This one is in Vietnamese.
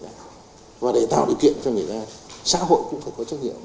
và để tạo điều kiện cho người ta xã hội cũng phải có trách nhiệm